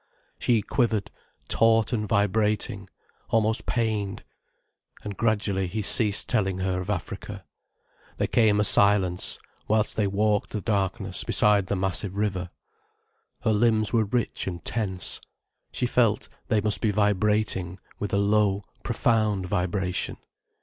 She quivered, taut and vibrating, almost pained. And gradually, he ceased telling her of Africa, there came a silence, whilst they walked the darkness beside the massive river. Her limbs were rich and tense, she felt they must be vibrating with a low, profound vibration.